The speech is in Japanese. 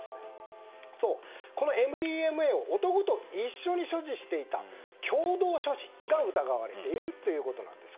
ＭＤＭＡを男と一緒に所持していた共同所持が疑われているということなんです。